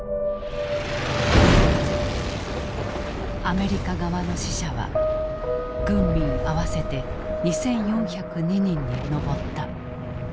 アメリカ側の死者は軍民合わせて２，４０２人に上った。